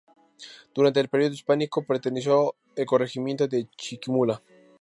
Durante el período hispánico, perteneció al corregimiento de Chiquimula.